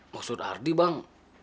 maksud ardi bang